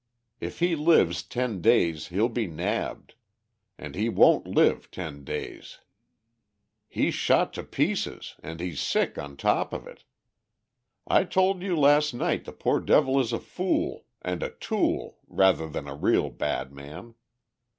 If he lives ten days he'll be nabbed, and he won't live ten days. He's shot to pieces and he's sick on top of it. I told you last night the poor devil is a fool and a tool rather than a real badman.